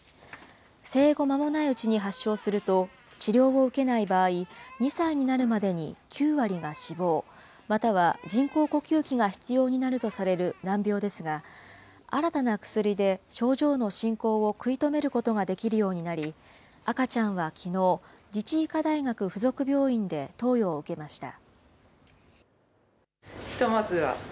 生後間もないうちに発症すると、治療を受けない場合、２歳になるまでに９割が死亡、または人工呼吸器が必要になるとされる難病ですが、新たな薬で症状の進行を食い止めることができるようになり、赤ちゃんはきのう、自治医科大学附属病院で投与を受けました。